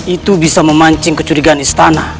itu bisa memancing kecurigaan istana